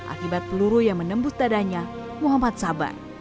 akibat peluru yang menembus dadanya muhammad sabar